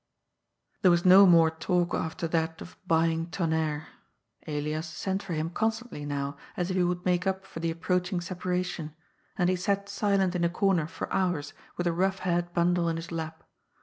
There was no more talk after that of buying Tonnerre. Elias sent for him constantly now, as if he wduld make up for the approaching separation, and he sat silent in a comer for hours with the rough haired bundle in his lap.